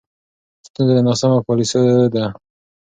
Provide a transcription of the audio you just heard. ستونزه د ناسمو پالیسیو ده.